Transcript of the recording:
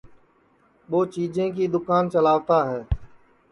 ٻوچیجیں کی دوکان چلاوتا ہے